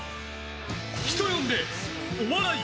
人呼んでお笑い！